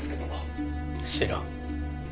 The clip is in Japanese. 知らん。